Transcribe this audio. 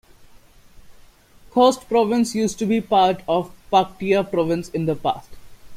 Khost province used to be part of Paktia province in the past.